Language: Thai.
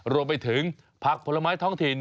รวมไปถึงผักผลไม้ท้องถิ่น